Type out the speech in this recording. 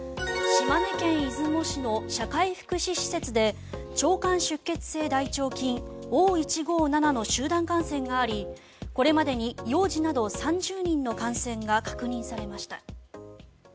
島根県出雲市の社会福祉施設で腸管出血性大腸菌・Ｏ−１５７の集団感染がありこれまでに幼児など３０人の感染が確認されました。